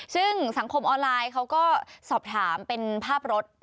ซึ่งสังคมออนไลน์เขาก็สอบถามเป็นภาพรถ